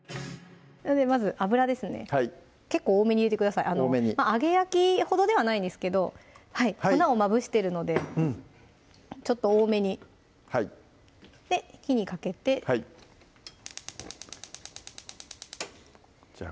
まず油ですね結構多めに入れてください揚げ焼きほどではないんですけど粉をまぶしているのでちょっと多めにで火にかけてじゃ